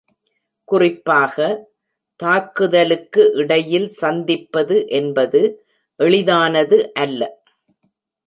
குறிப்பாக, தாக்குதலுக்கு இடையில் சந்திப்பது என்பது எளிதானது அல்ல.